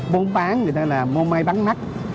muốn bán người ta là môn may bắn nắt